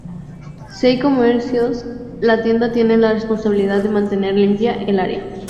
Si hay comercios, la tienda tiene la responsabilidad de mantener limpia el área.